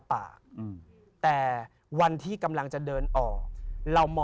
พระพุทธพิบูรณ์ท่านาภิรม